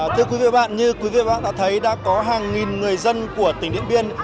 thưa quý vị như quý vị đã thấy đã có hàng nghìn người dân của tỉnh điện biên